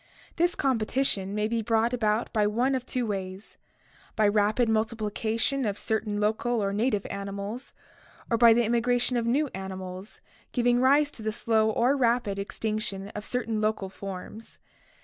This competition may be brought about by one of two ways: by rapid multiplication of cer tain local or native animals, or by the immigration of new animals, giving rise to the slow or rapid extinction of certain local forms.